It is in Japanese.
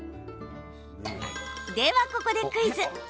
ではここで、クイズ。